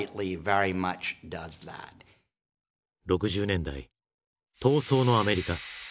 ６０年代「闘争」のアメリカ。